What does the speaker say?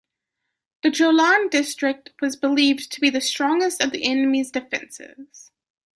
The Jolan District was believed to be the strongest of the enemy's defenses.